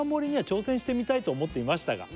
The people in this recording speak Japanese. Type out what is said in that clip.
「挑戦してみたいと思っていましたが」